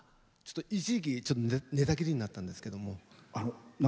一時期寝たきりになったんですけども。